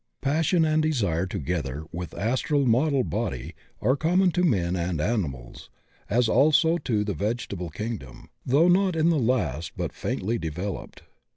Passion and desire together with astral model body are common to men and animals, as also to the vege table kingdom, though in the last but faintly devel oped.